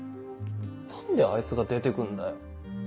何であいつが出てくんだよ？